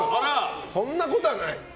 そんなことはない？